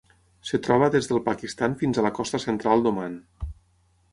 Es troba des del Pakistan fins a la costa central d'Oman.